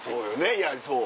いやそう。